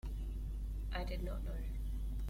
I did not know.